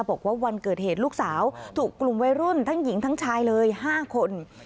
บอกว่าวันเกิดเหตุลูกสาวถูกกลุ่มวัยรุ่นทั้งหญิงทั้งชายเลย๕คน